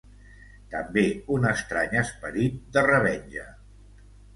També un estrany esperit de revenja.